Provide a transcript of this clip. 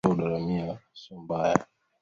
katika makaazi fulani ambayo yako uswahilini